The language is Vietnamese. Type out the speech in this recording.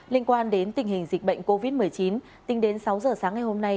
linh quan đến tình hình dịch bệnh covid một mươi chín tính đến sáu h sáng ngày hôm nay